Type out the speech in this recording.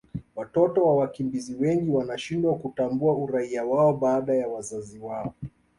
watoto wa wakimbizi wengi wanashindwa kutambua uraia wao baada ya wazazi wao